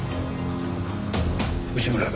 内村だ。